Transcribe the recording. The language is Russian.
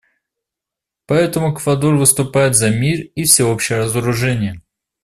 Поэтому Эквадор выступает за мир и всеобщее разоружение.